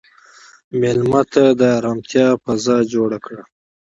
مېلمه ته د ارامتیا فضا جوړ کړه.